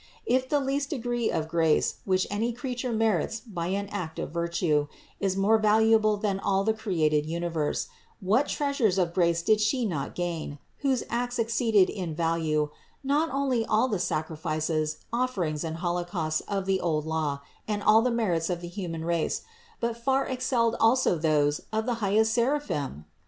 If the least degree of grace, which any creature merits by an act of virtue, is more valuable than all the created universe, what treasures of grace did She not gain, whose acts exceeded in value not only all the sacri fices, offerings and holocausts of the old law and all the merits of the human race, but far excelled also those of the highest seraphim?